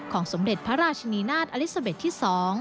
สมเด็จพระราชนีนาฏอลิซาเบสที่๒